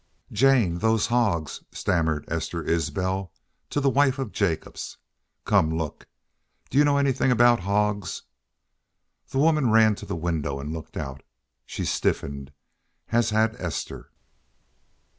"Jane, those hogs " stammered Esther Isbel, to the wife of Jacobs. "Come! Look! ... Do y'u know anythin' about hogs?" The woman ran to the window and looked out. She stiffened as had Esther.